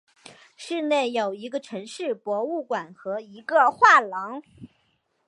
市内有一城市博物馆和一个画廊。